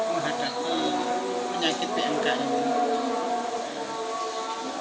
menghadapi penyakit pmk ini